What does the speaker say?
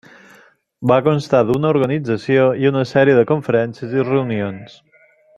Va constar d'una organització i una sèrie de conferències i reunions.